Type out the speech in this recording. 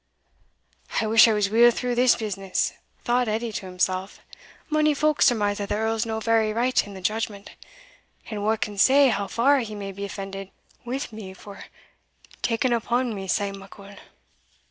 "I wish I was weel through this business," thought Edie to himself; "mony folk surmise that the Earl's no very right in the judgment, and wha can say how far he may be offended wi' me for taking upon me sae muckle?"